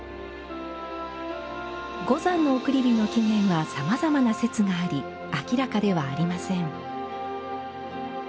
五山の送り火の起源はさまざまな説があり明らかではありません。